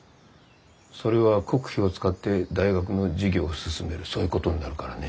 それは国費を使って大学の事業を進めるそういうことになるからね。